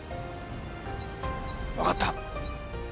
わかった。